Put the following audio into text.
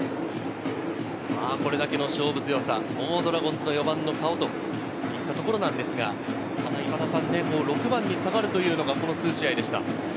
これだけの勝負強さ、ドラゴンズの４番の顔といったところですが、６番に下がるというのがこの数試合でした。